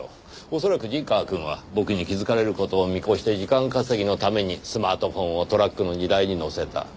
恐らく陣川くんは僕に気づかれる事を見越して時間稼ぎのためにスマートフォンをトラックの荷台に乗せた。